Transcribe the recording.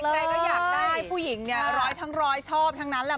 ใครก็อยากได้ผู้หญิงเนี่ยร้อยทั้งร้อยชอบทั้งนั้นแหละ